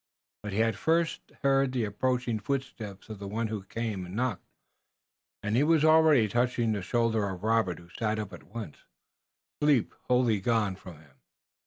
But he had first heard the approaching footsteps of the one who came and knocked, and he was already touching the shoulder of Robert, who sat up at once, sleep wholly gone from him.